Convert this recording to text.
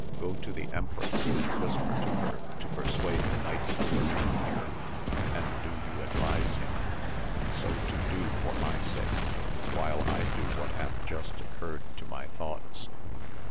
Go to the empress and whisper to her to per suade the knight to remain here, and do you advise him so to do for my sake, while I do what hath just occurred to my thoughts.